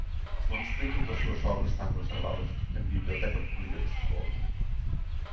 Os manuscritos das súas obras están conservados en Biblioteca Pública de Estocolmo.